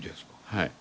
はい。